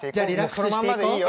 そのまんまでいいよ。